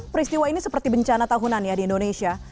peristiwa ini seperti bencana tahunan ya di indonesia